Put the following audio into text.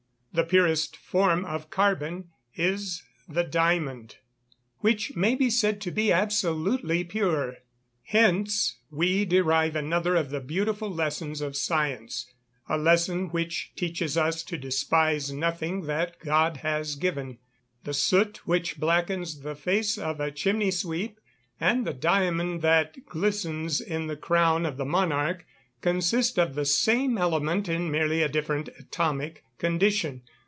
_ The purest form of carbon is the diamond, which may be said to be absolutely pure. Hence we derive another of the beautiful lessons of science a lesson which teaches us to despise nothing that God has given. The soot which blackens the face of a chimney sweep, and the diamond that glistens in the crown of the monarch, consist of the same element in merely a different atomic condition.